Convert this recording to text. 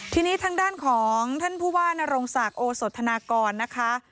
ทีนี้ทางด้านของท่านผู้ว่านรงศักดิ์โอสธนากรนะคะ